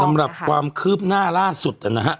สำหรับความคืบหน้าล่าสุดนะฮะ